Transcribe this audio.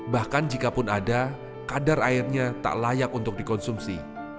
bahkan jikapun ada kadar airnya tak layak untuk dikonsumsi